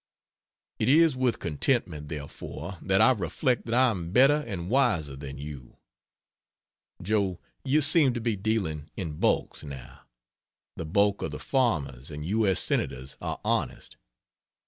It is with contentment, therefore, that I reflect that I am better and wiser than you. Joe, you seem to be dealing in "bulks," now; the "bulk" of the farmers and U. S. Senators are "honest."